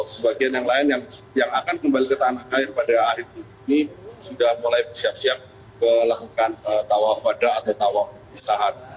sebagian yang lain yang akan kembali ke tanah air pada akhir minggu ini sudah mulai siap siap melakukan tawaf ada atau tawaf pisahan